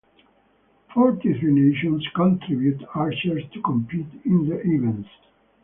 Forty-three nations contributed archers to compete in the events.